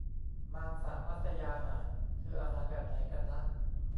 มางษมัศยาหาร คืออาหารแบบไหนกันนะ